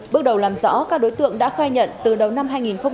bước đầu làm rõ các đối tượng đã khai nhận từ đầu năm hai nghìn